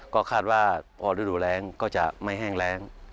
ก็คาดว่าพอฤดูแรงก็จะไม่แห้งแรง